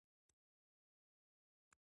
بهترینو دندو ته ځي.